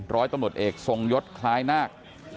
ร้อยตำรวจเอกทรงยศคล้ายนาค